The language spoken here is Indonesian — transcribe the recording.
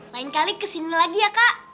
lain kali kesini lagi ya kak